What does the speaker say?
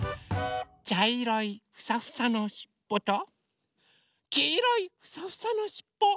ちゃいろいフサフサのしっぽときいろいフサフサのしっぽ。